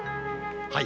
はい。